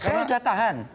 ini sudah tahan